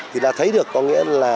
thì đã thấy được có nghĩa là